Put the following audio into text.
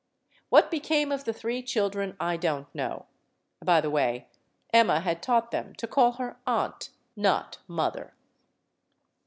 What became of the three children I don't know. By the way, Emma had taught them to call her "aunt," not "mother."